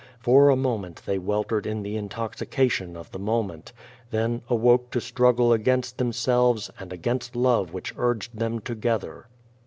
For a moment they weltered in the into.xication of the moment, then awoke to struggle against themselves and against love wliich urged them together.